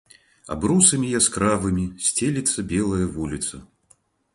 Абрусамі яскравымі сцелецца белая вуліца.